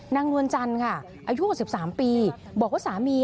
นางนวลจันค่ะอายุกว่า๑๓ปีบอกว่าสามี